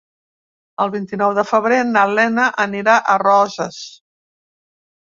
El vint-i-nou de febrer na Lena anirà a Roses.